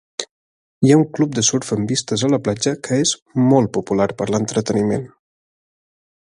Hi ha un club de surf amb vistes a la platja que és molt popular per a l'entreteniment.